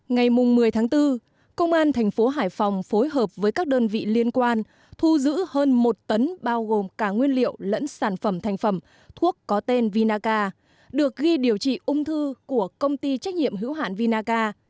ngày một mươi tháng bốn công an thành phố hải phòng phối hợp với các đơn vị liên quan thu giữ hơn một tấn bao gồm cả nguyên liệu lẫn sản phẩm thành phẩm thuốc có tên vinaca được ghi điều trị ung thư của công ty trách nhiệm hữu hạn vinaca